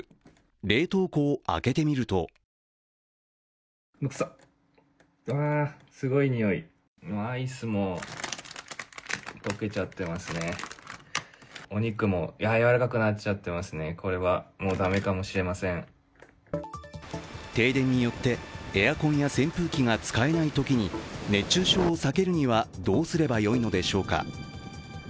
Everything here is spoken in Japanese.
冷凍庫を開けてみると停電によってエアコンや扇風機が使えないときに熱中症を避けるにはどうすれば良いのでしょうか。